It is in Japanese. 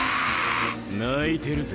泣いてるぜ。